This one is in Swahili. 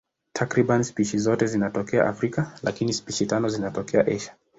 Takriban spishi zote zinatokea Afrika, lakini spishi tano zinatokea Asia.